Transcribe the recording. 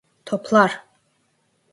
Toplar!